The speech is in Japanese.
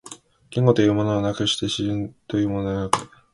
言語というものなくして思惟というものなく、